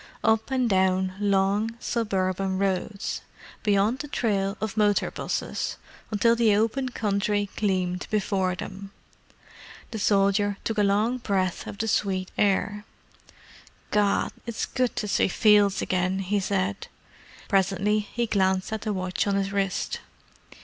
Up and down long, suburban roads, beyond the trail of motor 'buses, until the open country gleamed before them. The soldier took a long breath of the sweet air. "Gad, it's good to see fields again!" he said. Presently he glanced at the watch on his wrist.